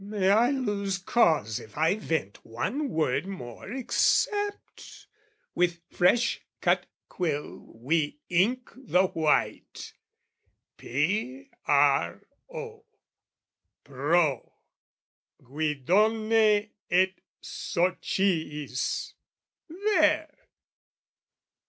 May I lose cause if I vent one word more Except, with fresh cut quill we ink the white, P r o pro Guidone et Sociis. There!